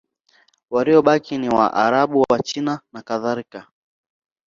Waliobaki ni Waarabu, Wachina nakadhalika.